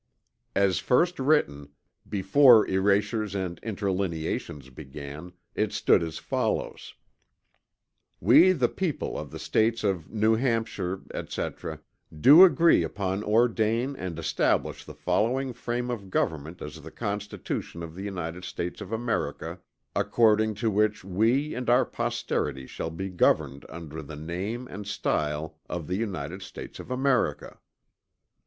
As first written, before erasures and interlineations began, it stood as follows: "We the people of the States of New Hampshire etc. do agree upon ordain and establish the following Frame of Government as the Constitution of the United States of America according to which we and our Posterity shall be governed under the Name and Stile of the United States of America."